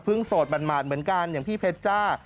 โสดหมาดเหมือนกันอย่างพี่เพชรจ้า